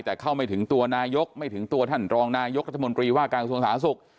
แต่เข้าไม่ถึงตัวนายกไม่ถึงตัวท่านรองนายกรัฐมนตรีว่าการกระทรวงสาธารณสุข